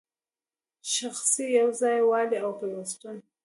شخصي یو ځای والی او پیوستون